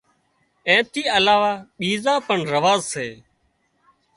اين ٿِي علاوه ٻيزا پڻ رواز سي